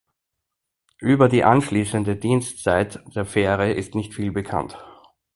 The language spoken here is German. Über die anschließende Dienstzeit der Fähre ist nicht viel bekannt.